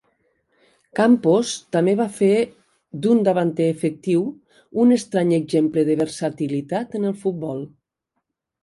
Campos també va fer d'un davanter efectiu, un estrany exemple de versatilitat en el futbol.